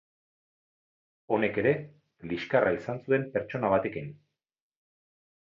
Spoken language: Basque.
Honek ere liskarra izan zuen pertsona batekin.